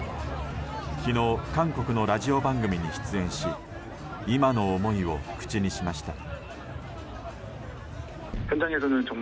昨日、韓国のラジオ番組に出演し今の思いを口にしました。